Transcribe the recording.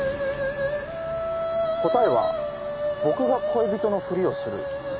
答えは僕が恋人のふりをする。